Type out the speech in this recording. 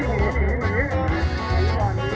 โอ้ยเลี้ยวขนาดนี้